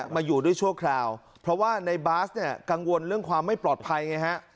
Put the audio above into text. มาอยู่ด้วยชั่วคราวเพราะว่าในบาสเนี่ยกังวลเรื่องความไม่ปลอดภัยไงฮะ